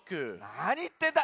なにいってんだ！